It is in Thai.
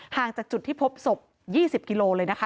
จากจุดที่พบศพ๒๐กิโลเลยนะคะ